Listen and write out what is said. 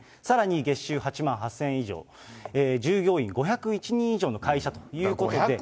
さらに月収８万８０００円以上、従業員５０１人以上の会社ということで。